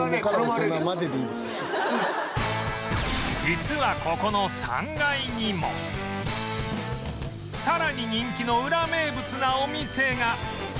実はここの３階にもさらに人気のウラ名物なお店が